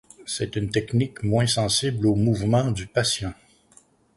C’est une technique moins sensible aux mouvements du patient.